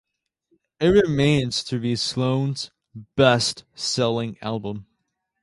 It remains to be Sloan's best-selling album.